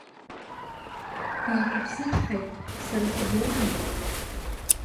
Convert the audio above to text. Баақәыԥсычҳаит, сара сзоума?